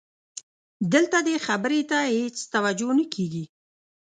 دلته دې خبرې ته هېڅ توجه نه کېږي.